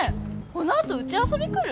このあとうち遊び来る？